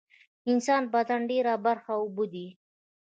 د انسان بدن ډیره برخه اوبه دي